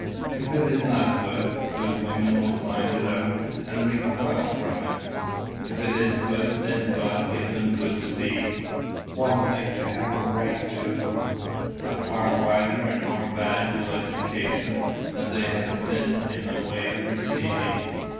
If it is not good, good women will find it out and recoil from it. If it is good then God give them good speed. One thing they have a right to a far wider and more valuable education than they have been in the way of receiving.